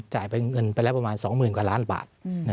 จ่ายไปเงินไปละประมาณ๒หมื่นกว่าล้านบาท